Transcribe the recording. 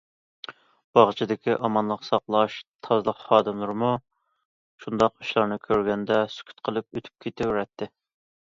باغچىدىكى ئامانلىق ساقلاش، تازىلىق خادىملىرىمۇ، شۇنداق ئىشلارنى كۆرگەندە، سۈكۈت قىلىپ ئۆتۈپ كېتىۋېرەتتى.